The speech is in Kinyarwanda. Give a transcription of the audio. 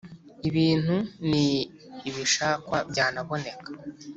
Ibintu ni ibishakwa byanaboneka